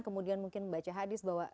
kemudian mungkin baca hadis bahwa